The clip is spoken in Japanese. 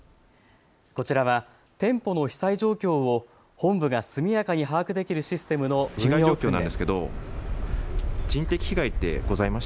こちらは店舗の被災状況を本部が速やかに把握できるシステムの運用訓練。